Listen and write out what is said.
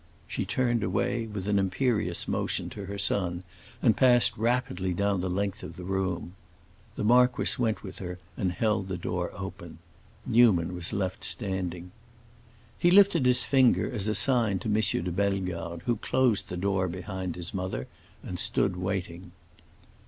She turned away, with an imperious motion to her son, and passed rapidly down the length of the room. The marquis went with her and held the door open. Newman was left standing. He lifted his finger, as a sign to M. de Bellegarde, who closed the door behind his mother and stood waiting.